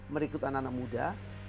merikutan anak anak muda